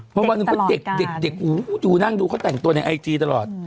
เพราะวันหนึ่งเขาเด็กดูนั่งดูเขาแต่งตัวในไอจีตลอด